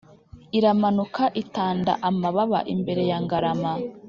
Iramanuka, itanda amababa imbere ya Ngarama